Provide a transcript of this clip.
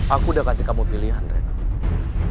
aku udah kasih kamu pilihan reno